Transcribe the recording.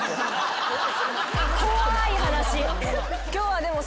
怖い話。